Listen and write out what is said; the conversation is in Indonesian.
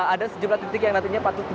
ada sejumlah titik yang nantinya patut